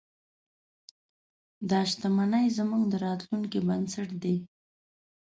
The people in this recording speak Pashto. دا شتمنۍ زموږ د راتلونکي بنسټ دی.